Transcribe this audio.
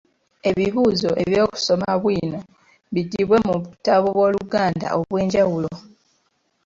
Ebibuuzo eby’okusoma bwino biggyibwe mu butabo bw’Oluganda obw’enjawulo.